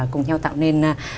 cùng nhau tạo nên